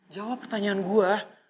jawab pertanyaan gue